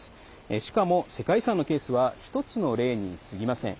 しかも世界遺産のケースは１つの例にすぎません。